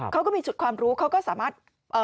เขาก็มีจุดความรู้เขาก็สามารถ